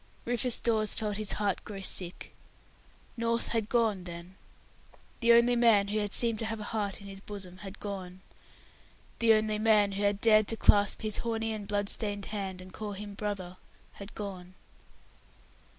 Rufus Dawes felt his heart grow sick. North had gone, then. The only man who had seemed to have a heart in his bosom had gone. The only man who had dared to clasp his horny and blood stained hand, and call him "brother", had gone.